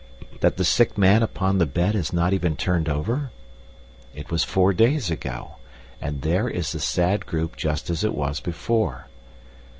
That the sick man upon the bed has not even turned over? It was four days ago, and there is the sad group just as it was before.